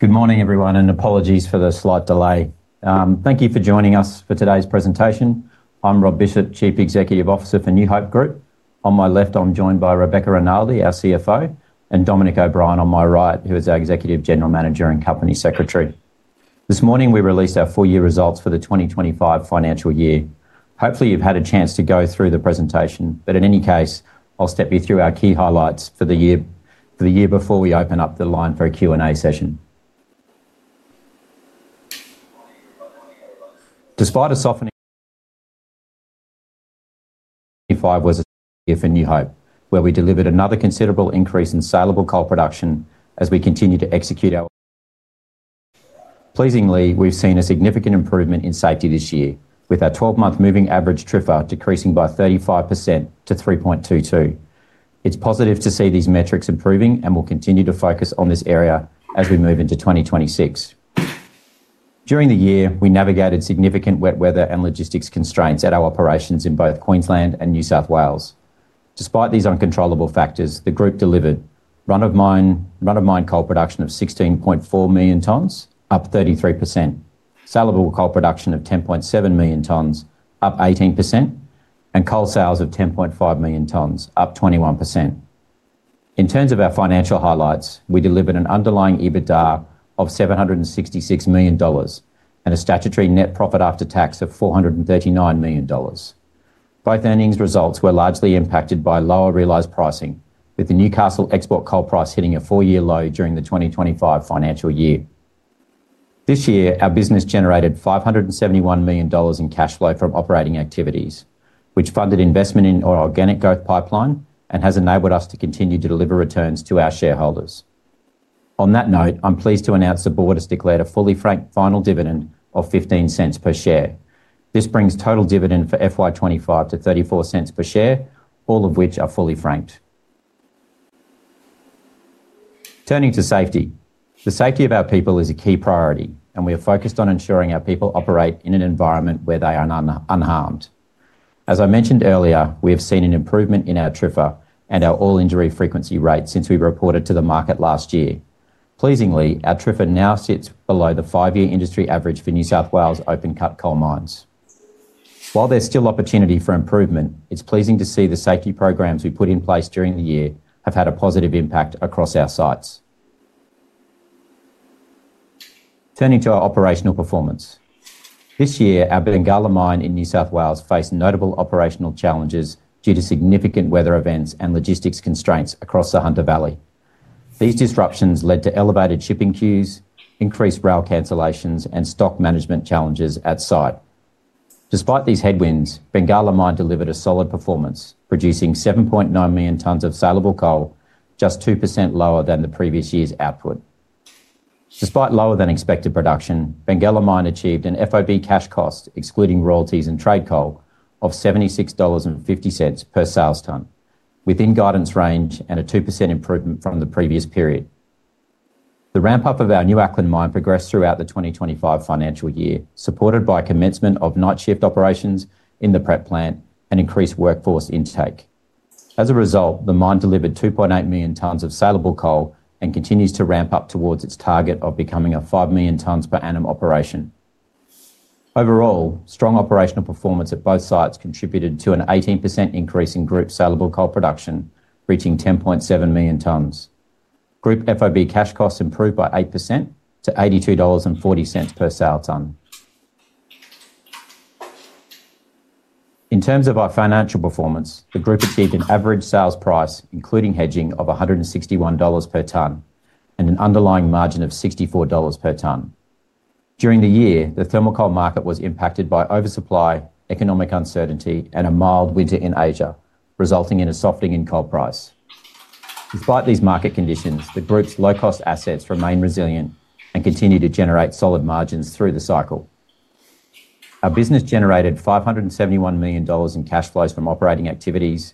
Good morning, everyone, and apologies for the slight delay. Thank you for joining us for today's presentation. I'm Rob Bishop, Chief Executive Officer for New Hope Corporation Limited. On my left, I'm joined by Rebecca Rinaldi, our Chief Financial Officer, and Dominic O'Brien on my right, who is our Executive General Manager and Company Secretary. This morning, we released our full-year results for the 2025 financial year. Hopefully, you've had a chance to go through the presentation, but in any case, I'll step you through our key highlights for the year before we open up the line for a Q&A session. Despite a softening, it was a year for New Hope, where we delivered another considerable increase in saleable coal production as we continue to execute our strategy. Pleasingly, we've seen a significant improvement in safety this year, with our 12-month moving average TRIFA decreasing by 35% to 3.22. It's positive to see these metrics improving and we will continue to focus on this area as we move into 2026. During the year, we navigated significant wet weather and logistics constraints at our operations in both Queensland and New South Wales. Despite these uncontrollable factors, the group delivered run-of-mine coal production of 16.4 million tonnes, up 33%, saleable coal production of 10.7 million tonnes, up 18%, and coal sales of 10.5 million tonnes, up 21%. In terms of our financial highlights, we delivered an underlying EBITDA of $766 million and a statutory net profit after tax of $439 million. Both earnings results were largely impacted by lower realized pricing, with the Newcastle export coal price hitting a four-year low during the 2025 financial year. This year, our business generated $571 million in cash flow from operating activities, which funded investment in our organic growth pipeline and has enabled us to continue to deliver returns to our shareholders. On that note, I'm pleased to announce the board has declared a fully franked final dividend of $0.15 per share. This brings total dividend for FY25 to $0.34 per share, all of which are fully franked. Turning to safety, the safety of our people is a key priority and we are focused on ensuring our people operate in an environment where they are unharmed. As I mentioned earlier, we have seen an improvement in our TRIFA and our all-injury frequency rate since we reported to the market last year. Pleasingly, our TRIFA now sits below the five-year industry average for New South Wales open-cut coal mines. While there's still opportunity for improvement, it's pleasing to see the safety programs we put in place during the year have had a positive impact across our sites. Turning to our operational performance, this year, our Bengalla Mine in New South Wales faced notable operational challenges due to significant weather events and logistics constraints across the Hunter Valley. These disruptions led to elevated shipping queues, increased rail cancellations, and stock management challenges at site. Despite these headwinds, Bengalla Mine delivered a solid performance, producing 7.9 million tonnes of saleable coal, just 2% lower than the previous year's output. Despite lower than expected production, Bengalla Mine achieved an FOB cash cost, excluding royalties and trade coal, of $76.50 per sales ton, within guidance range and a 2% improvement from the previous period. The ramp-up of our New Acland mine progressed throughout the 2025 financial year, supported by commencement of night shift operations in the prep plant and increased workforce intake. As a result, the mine delivered 2.8 million tonnes of saleable coal and continues to ramp up towards its target of becoming a 5 million tonnes per annum operation. Overall, strong operational performance at both sites contributed to an 18% increase in group saleable coal production, reaching 10.7 million tonnes. Group FOB cash costs improved by 8% to $82.40 per sale ton. In terms of our financial performance, the group achieved an average sales price, including hedging, of $161 per ton and an underlying margin of $64 per ton. During the year, the thermal coal market was impacted by oversupply, economic uncertainty, and a mild winter in Asia, resulting in a softening in coal price. Despite these market conditions, the group's low-cost assets remain resilient and continue to generate solid margins through the cycle. Our business generated $571 million in cash flows from operating activities,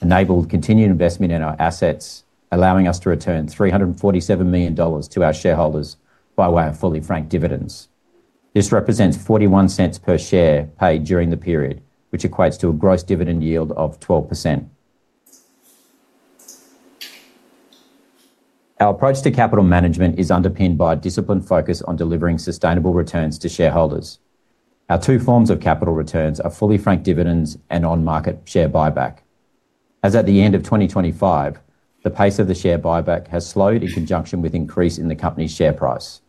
enabled continued investment in our assets, allowing us to return $347 million to our shareholders by way of fully franked dividends. This represents $0.41 per share paid during the period, which equates to a gross dividend yield of 12%. Our approach to capital management is underpinned by a disciplined focus on delivering sustainable returns to shareholders. Our two forms of capital returns are fully franked dividends and on-market share buyback. As at the end of 2025, the pace of the share buyback has slowed in conjunction with an increase in the company's share price.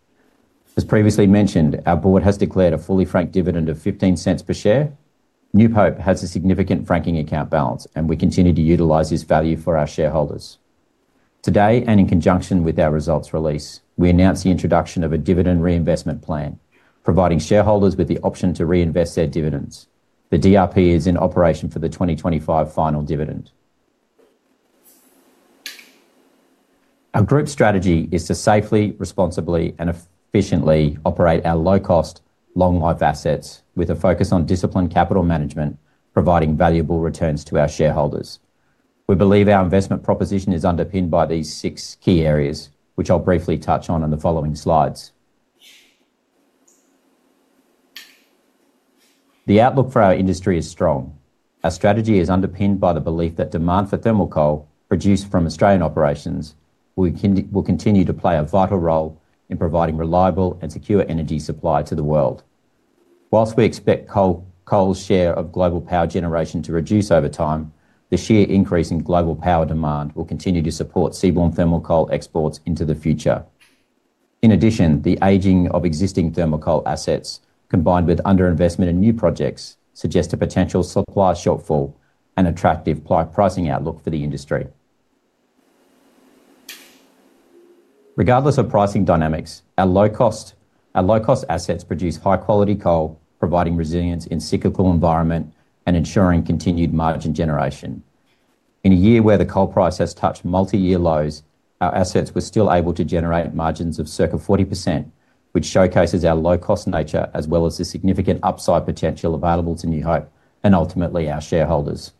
As previously mentioned, our Board has declared a fully franked dividend of $0.15 per share. New Hope has a significant franking account balance, and we continue to utilize this value for our shareholders. Today, in conjunction with our results release, we announce the introduction of a dividend reinvestment plan, providing shareholders with the option to reinvest their dividends. The dividend reinvestment plan is in operation for the 2025 final dividend. Our group strategy is to safely, responsibly, and efficiently operate our low-cost, long-life assets with a focus on disciplined capital management, providing valuable returns to our shareholders. We believe our investment proposition is underpinned by these six key areas, which I'll briefly touch on in the following slides. The outlook for our industry is strong. Our strategy is underpinned by the belief that demand for thermal coal produced from Australian operations will continue to play a vital role in providing reliable and secure energy supply to the world. Whilst we expect coal's share of global power generation to reduce over time, the sheer increase in global power demand will continue to support seaborne thermal coal exports into the future. In addition, the aging of existing thermal coal assets, combined with underinvestment in new projects, suggests a potential supply shortfall and attractive pricing outlook for the industry. Regardless of pricing dynamics, our low-cost assets produce high-quality coal, providing resilience in a cyclical environment and ensuring continued margin generation. In a year where the coal price has touched multi-year lows, our assets were still able to generate margins of circa 40%, which showcases our low-cost nature as well as the significant upside potential available to New Hope and ultimately our shareholders.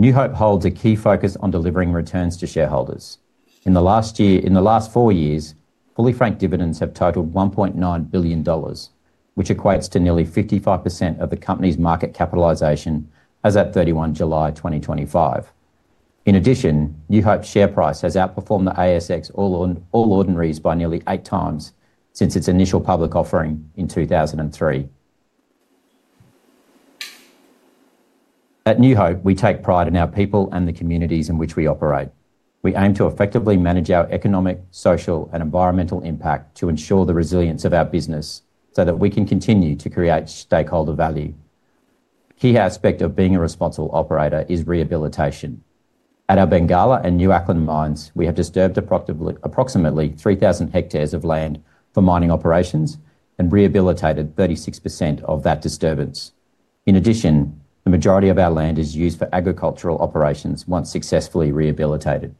New Hope holds a key focus on delivering returns to shareholders. In the last four years, fully franked dividends have totaled $1.9 billion, which equates to nearly 55% of the company's market capitalization as at 31 July 2025. In addition, New Hope's share price has outperformed the ASX All Ordinaries by nearly eight times since its initial public offering in 2003. At New Hope, we take pride in our people and the communities in which we operate. We aim to effectively manage our economic, social, and environmental impact to ensure the resilience of our business so that we can continue to create stakeholder value. A key aspect of being a responsible operator is rehabilitation. At our Bengalla and New Auckland mines, we have disturbed approximately 3,000 hectares of land for mining operations and rehabilitated 36% of that disturbance. In addition, the majority of our land is used for agricultural operations once successfully rehabilitated.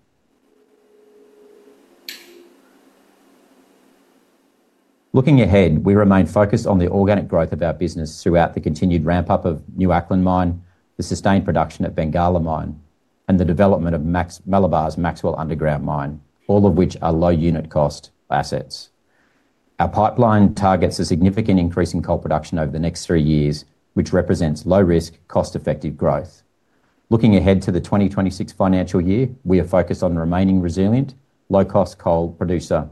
Looking ahead, we remain focused on the organic growth of our business throughout the continued ramp-up of New Auckland mine, the sustained production at Bengalla Mine, and the development of Malabar Resources' Maxwell Underground Mine, all of which are low unit cost assets. Our pipeline targets a significant increase in coal production over the next three years, which represents low-risk, cost-effective growth. Looking ahead to the 2026 financial year, we are focused on remaining a resilient, low-cost coal producer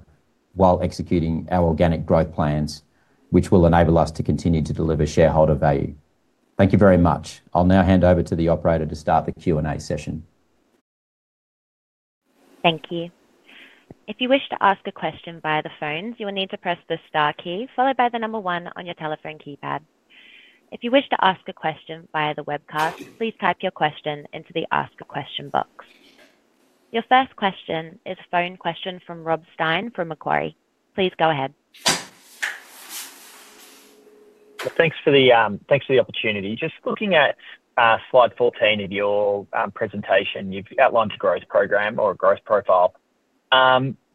while executing our organic growth plans, which will enable us to continue to deliver shareholder value. Thank you very much. I'll now hand over to the operator to start the Q&A session. Thank you. If you wish to ask a question via the phones, you will need to press the star key followed by the number one on your telephone keypad. If you wish to ask a question via the webcast, please type your question into the ask a question box. Your first question is a phone question from Rob Stein from Macquarie. Please go ahead. Thanks for the opportunity. Just looking at slide 14 of your presentation, you've outlined a growth program or a growth profile.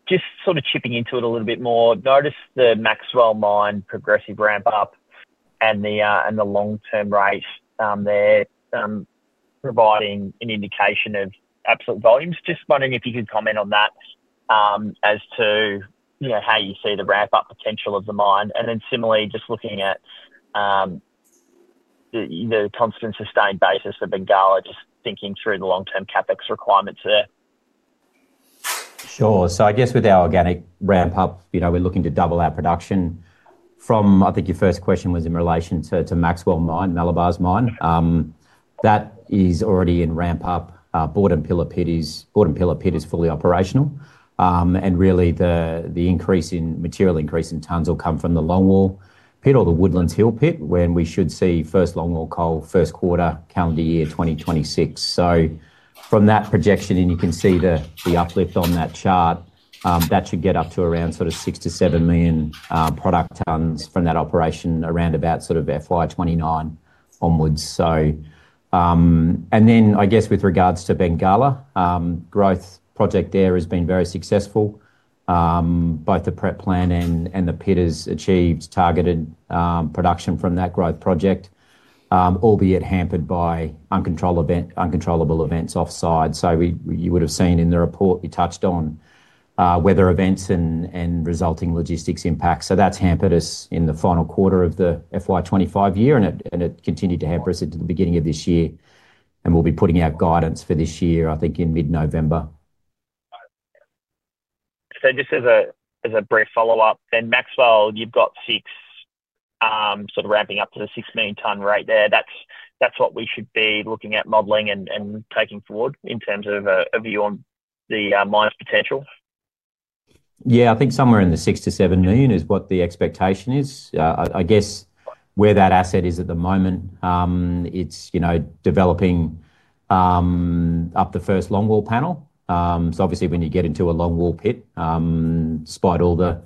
Just sort of chipping into it a little bit more, notice the Maxwell Underground Mine progressive ramp-up and the long-term rates there providing an indication of absolute volumes. Just wondering if you could comment on that as to how you see the ramp-up potential of the mine. Similarly, just looking at the constant sustained basis for Bengalla, just thinking through the long-term CapEx requirements there. Sure. I guess with our organic ramp-up, we're looking to double our production. Your first question was in relation to Maxwell Underground Mine, Malabar Resources' mine. That is already in ramp-up. Boardham Pillar Pit is fully operational. The increase in material, increase in tonnes will come from the Longwall Pit or the Woodlands Hill Pit, when we should see first Longwall coal first quarter, calendar year 2026. From that projection, and you can see the uplift on that chart, that should get up to around six to seven million product tonnes from that operation around about FY2029 onwards. With regards to Bengalla, the growth project there has been very successful. Both the prep plant and the pit have achieved targeted production from that growth project, albeit hampered by uncontrollable events offsite. You would have seen in the report you touched on weather events and resulting logistics impacts. That's hampered us in the final quarter of the FY2025 year, and it continued to hamper us into the beginning of this year. We'll be putting out guidance for this year, I think, in mid-November. Just as a brief follow-up, then Maxwell, you've got six sort of ramping up to the six million ton rate there. That's what we should be looking at modeling and taking forward in terms of a view on the mine's potential. Yeah, I think somewhere in the $6 million to $7 million is what the expectation is. I guess where that asset is at the moment, it's developing up the first Longwall panel. Obviously, when you get into a Longwall pit, despite all the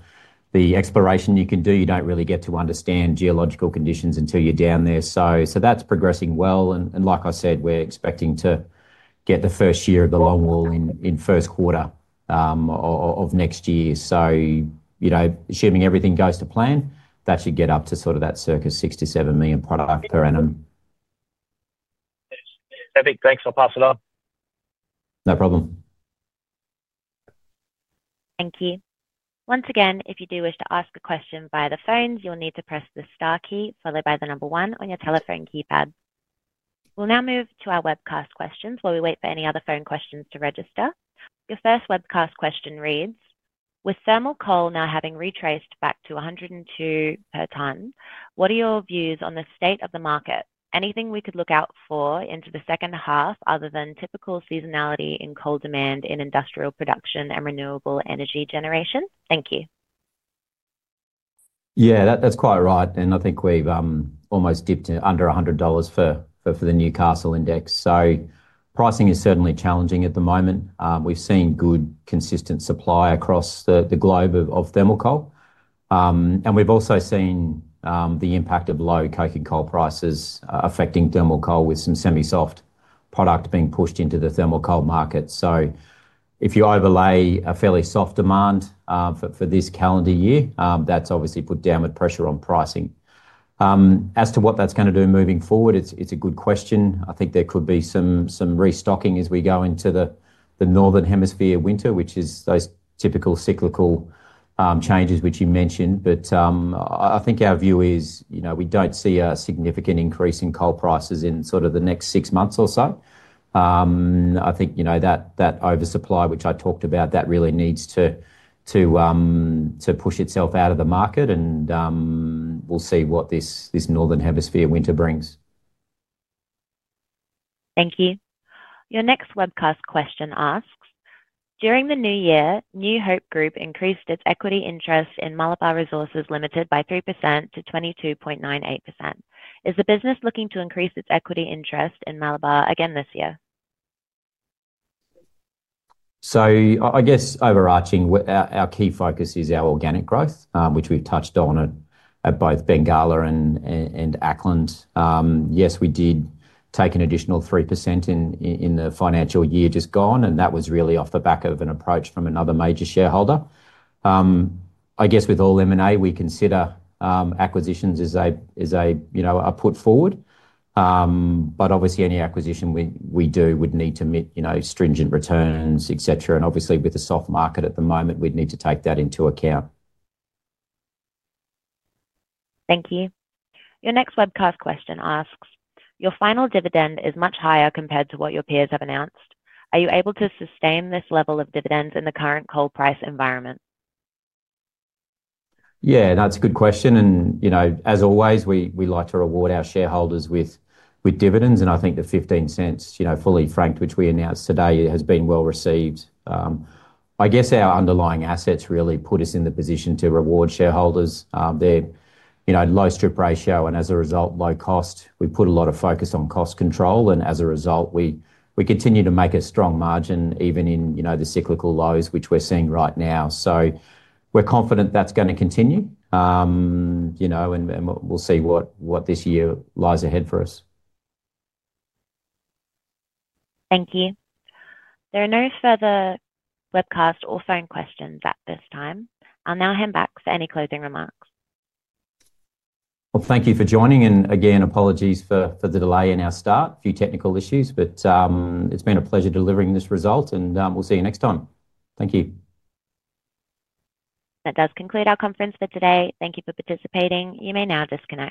exploration you can do, you don't really get to understand geological conditions until you're down there. That's progressing well. Like I said, we're expecting to get the first year of the Longwall in the first quarter of next year. Assuming everything goes to plan, that should get up to sort of that circa $6 million to $7 million product per annum. Perfect. Thanks. I'll pass it on. No problem. Thank you. Once again, if you do wish to ask a question via the phones, you'll need to press the star key followed by the number one on your telephone keypad. We'll now move to our webcast questions while we wait for any other phone questions to register. Your first webcast question reads, "With thermal coal now having retraced back to $102 per ton, what are your views on the state of the market? Anything we could look out for into the second half other than typical seasonality in coal demand in industrial production and renewable energy generation? Thank you. Yeah, that's quite right. I think we've almost dipped under $100 for the Newcastle index. Pricing is certainly challenging at the moment. We've seen good, consistent supply across the globe of thermal coal. We've also seen the impact of low coking coal prices affecting thermal coal, with some semi-soft product being pushed into the thermal coal market. If you overlay a fairly soft demand for this calendar year, that's obviously put downward pressure on pricing. As to what that's going to do moving forward, it's a good question. I think there could be some restocking as we go into the northern hemisphere winter, which is those typical cyclical changes you mentioned. I think our view is, you know, we don't see a significant increase in coal prices in sort of the next six months or so. That oversupply, which I talked about, really needs to push itself out of the market. We'll see what this northern hemisphere winter brings. Thank you. Your next webcast question asks, "During the new year, New Hope increased its equity interest in Malabar Resources by 3% to 22.98%. Is the business looking to increase its equity interest in Malabar again this year? I guess overarching, our key focus is our organic growth, which we've touched on at both Bengalla and New Auckland. Yes, we did take an additional 3% in the financial year just gone, and that was really off the back of an approach from another major shareholder. With all M&A, we consider acquisitions as a put forward. Obviously, any acquisition we do would need to meet, you know, stringent returns, etc. Obviously, with a soft market at the moment, we'd need to take that into account. Thank you. Your next webcast question asks, "Your final dividend is much higher compared to what your peers have announced. Are you able to sustain this level of dividends in the current coal price environment? Yeah, that's a good question. You know, as always, we like to reward our shareholders with dividends. I think the $0.15, you know, fully franked, which we announced today, has been well received. I guess our underlying assets really put us in the position to reward shareholders. They're, you know, low strip ratio and as a result, low cost. We put a lot of focus on cost control, and as a result, we continue to make a strong margin even in, you know, the cyclical lows which we're seeing right now. We're confident that's going to continue, and we'll see what this year lies ahead for us. Thank you. There are no further webcast or phone questions at this time. I'll now hand back for any closing remarks. Thank you for joining. Again, apologies for the delay in our start, a few technical issues. It's been a pleasure delivering this result. We'll see you next time. Thank you. That does conclude our conference for today. Thank you for participating. You may now disconnect.